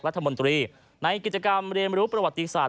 รัฐมนตรีในกิจกรรมเรียนรู้ประวัติศาสต